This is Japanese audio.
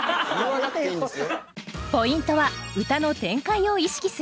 ポイントは歌の展開を意識すること。